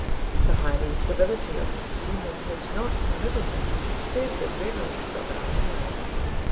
] the Highland civility of his attendant had not permitted him to disturb the reveries of our hero.